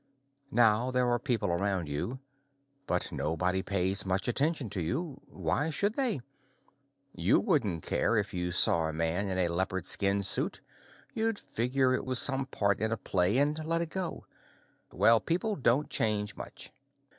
Now there are people around you, but nobody pays much attention to you. Why should they? You wouldn't care if you saw a man in a leopard skin suit; you'd figure it was some part in a play and let it go. Well, people don't change much.